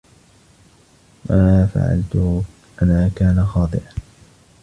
ما فعلته أنا كان خاطئاً.